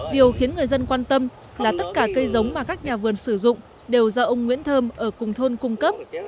điều khiến người dân quan tâm là tất cả cây giống mà các nhà vườn sử dụng đều do ông nguyễn thơm ở cùng thôn cung cấp